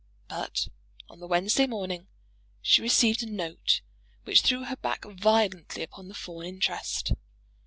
But on the Wednesday morning she received a note which threw her back violently upon the Fawn interest.